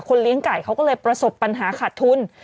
เลี้ยงไก่เขาก็เลยประสบปัญหาขาดทุน